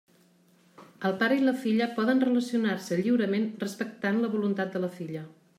El pare i la filla poden relacionar-se lliurement respectant la voluntat de la filla.